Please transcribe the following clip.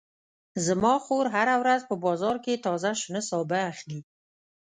زما خور هره ورځ په بازار کې تازه شنه سابه اخلي